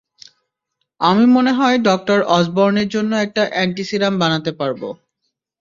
আমি মনে হয় ডক্টর অসবর্নের জন্য একটা অ্যান্টি-সিরাম বানাতে পারবো।